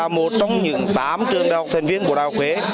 một trong những tám trường đại học thành viên của đại học huế